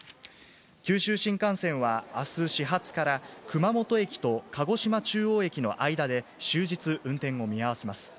九州新幹線はあす始発から、熊本駅と鹿児島中央駅の間で終日運転を見合わせます。